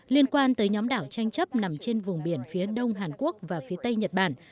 liên quan tới nhóm đảo tranh chấp nằm trên vùng biển phía đông hàn quốc và phía tây nhật bản